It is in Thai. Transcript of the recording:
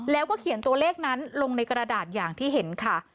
แล้วก็เขียนตัวเลขนั้นลงในกระดาษอย่างที่เห็นค่ะ